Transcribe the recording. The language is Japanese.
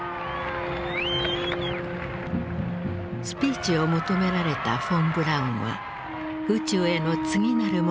スピーチを求められたフォン・ブラウンは宇宙への次なる目標を語った。